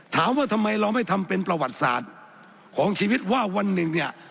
ถามว่าทำไมเราไม่ทำเป็นประวัติศาสตร์ของชีวิตว่าวันหนึ่งเนี่ย